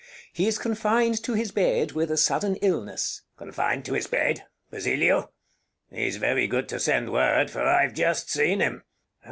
[Aloud.] He's confined to his bed with a sudden illness. Bartolo Confined to his bed! Basilio! He's very good to send word, for I've just seen him.